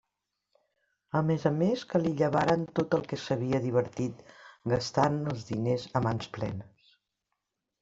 A més a més, que li llevaren tot el que s'havia divertit gastant els diners a mans plenes.